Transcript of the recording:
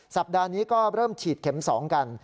สัปดาห์นี้ก็เริ่มฉีดเข็ม๒กัน